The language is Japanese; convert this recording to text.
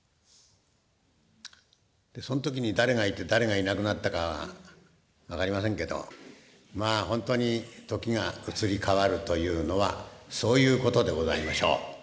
その時に誰がいて誰がいなくなったかは分かりませんけどまあほんとに時が移り変わるというのはそういうことでございましょう。